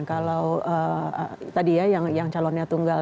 kalau tadi ya yang calonnya tunggal